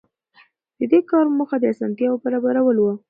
د دې کار موخه د اسانتیاوو برابرول وو.